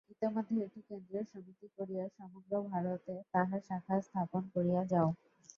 ইতোমধ্যে একটি কেন্দ্রীয় সমিতি করিয়া সমগ্র ভারতে তাহার শাখা স্থাপন করিয়া যাও।